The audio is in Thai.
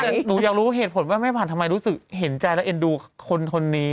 แต่หนูอยากรู้เหตุผลว่าแม่ผ่านทำไมรู้สึกเห็นใจและเอ็นดูคนนี้